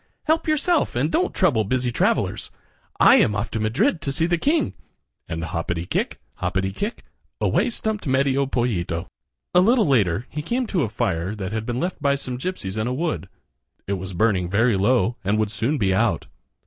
Help yourself and don't trouble busy travelers. I am off to Madrid to see the king," and hoppity kick, hoppity kick, away stumped Medio Pollito. A little later he came to a fire that had been left by some gypsies in a wood. It was burning very low and would soon be out.